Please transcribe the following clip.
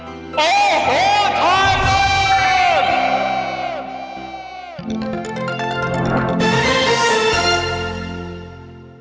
โอ้โหไทยแลนด์